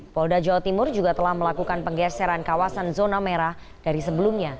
polda jawa timur juga telah melakukan penggeseran kawasan zona merah dari sebelumnya